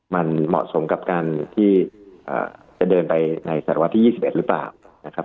มันเหมาะสมกับการที่จะเดินไปในสารวะที่๒๑หรือเปล่านะครับ